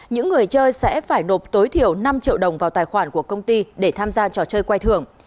những người chơi sẽ phải nộp tối thiểu năm triệu đồng vào tài khoản của công ty để tham gia trò chơi quay thưởng